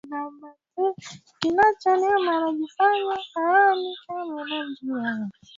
Mpango Shirikishi wa Usimamizi wa Misitu unatumika katika Asilimia moja tu ya misitu